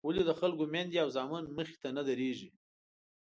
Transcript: ولې د خلکو میندې او زامن مخې ته نه درېږي.